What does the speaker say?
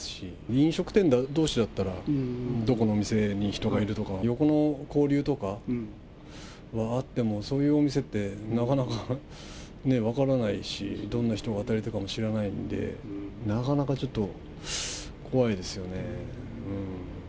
飲食店どうしだったら、どこの店に人がいるとか、横の交流とかはあっても、そういうお店って、なかなか分からないし、どんな人が働いてるかも知らないんで、なかなかちょっと怖いですよね。